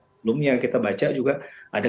sebelumnya kita baca juga ada